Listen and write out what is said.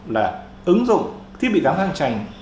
là ứng dụng thiết bị giám sát tranh